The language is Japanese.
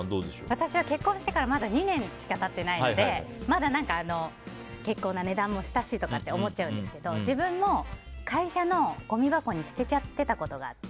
私は結婚してからまだ２年しか経ってないのでまだ結構な値段もしたしとか思ってるんですけど自分も、会社のごみ箱に捨てちゃってたことがあって。